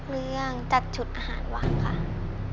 เรื่องจัดชุดอาหารวังค่ะ